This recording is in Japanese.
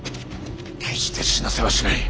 決して死なせはしない。